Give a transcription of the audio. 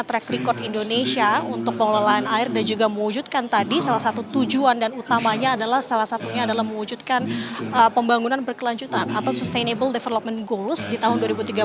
track record indonesia untuk pengelolaan air dan juga mewujudkan tadi salah satu tujuan dan utamanya adalah salah satunya adalah mewujudkan pembangunan berkelanjutan atau sustainable development goals di tahun dua ribu tiga belas